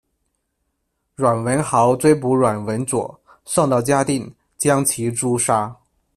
阮文豪追捕阮文佐，送到嘉定，将其诛杀。